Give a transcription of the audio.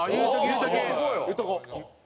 言っとこう。